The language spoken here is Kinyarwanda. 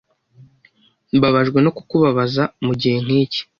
Mbabajwe no kukubabaza mugihe nkiki.